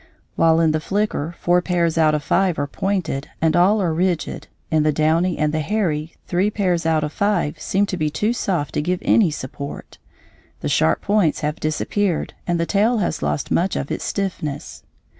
While in the flicker four pairs out of five are pointed and all are rigid, in the downy and the hairy three pairs out of five seem to be too soft to give any support, the sharp points have disappeared, and the tail has lost much of its stiffness.